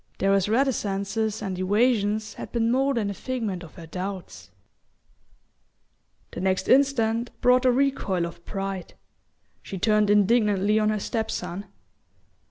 Darrow's reticences and evasions had been more than a figment of her doubts. The next instant brought a recoil of pride. She turned indignantly on her step son.